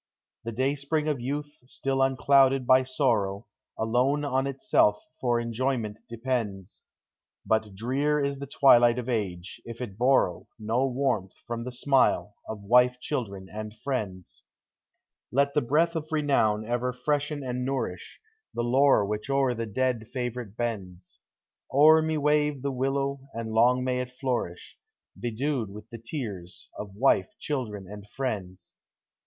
The dayspring of youth, still unclouded by sorrow, Aloue on itself for enjoyment depends; Hut drear is the twilight of age, if it borrow No warmth from the smile of — wife, children, and friends. 350 POEMS OF FRIENDSHIP. Let the breath of renown ever freshen and nourish The laurel which o'er the dead favorite bends; O'er me wave the willow, and long may it flourish. Bedewed with the tears of — wife, children, and friends.